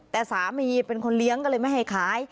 แต่สามีเป็นคนเลี้ยงก็เลยไม่ให้ขาย